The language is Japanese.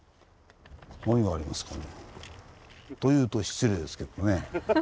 何がありますかね。と言うと失礼ですけどね。